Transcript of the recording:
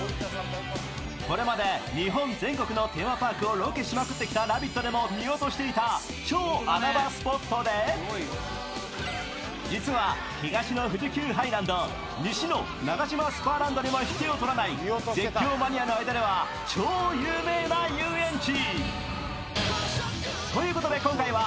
これまで日本全国のテーマパークをロケしまくってきた「ラヴィット！」でも見落としていた超穴場スポットで実は東の富士急ハイランド西のナガシマスパーランドにも引けを取らない絶叫マニアの間では超有名な遊園地。